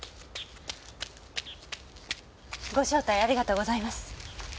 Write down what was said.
ご招待ありがとうございます。